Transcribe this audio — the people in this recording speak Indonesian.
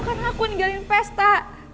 karena aku ninggalin pesta